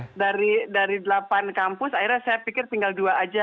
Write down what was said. nah dari delapan kampus akhirnya saya pikir tinggal dua aja